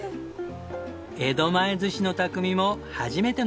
江戸前寿司の匠も初めての味。